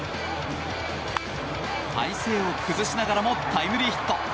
体勢を崩しながらもタイムリーヒット。